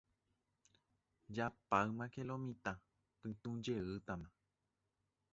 Japáymake lo mitã, pytũjeýtama.